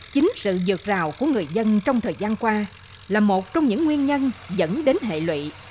chính sự dược rào của người dân trong thời gian qua là một trong những nguyên nhân dẫn đến hệ lụy